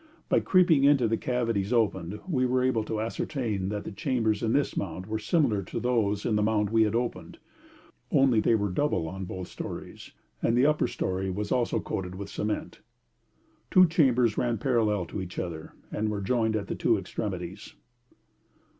By creeping into the cavities opened we were able to ascertain that the chambers in this mound were similar to those in the mound we had opened, only they were double on both stories, and the upper story was also coated with cement. Two chambers ran parallel to each other, and were joined at the two extremities.